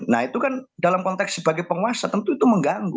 nah itu kan dalam konteks sebagai penguasa tentu itu mengganggu